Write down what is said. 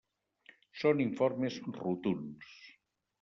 Són informes rotunds.